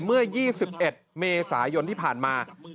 เมื่อ๒๑เมษายนที่ผ่านมา